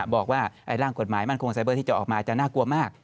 บอกว่าร่างกฎหมายมั่นคงไซเบอร์ที่จะออกมาจะน่ากลัวมาก